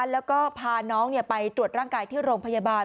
แล้วก็พาน้องไปตรวจร่างกายที่โรงพยาบาล